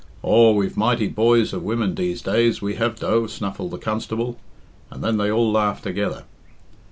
"Aw, we've mighty boys of women deese days we have dough," snuffled the constable, and then they all laughed together.